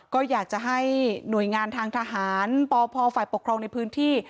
ก็อยากจะให้หน่วยงานทางทหารปพฝ่ายปกครองในพื้นที่